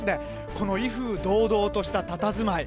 この威風堂々としたたたずまい。